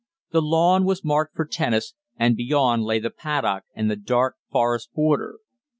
The lawn was marked for tennis, and beyond lay the paddock and the dark forest border.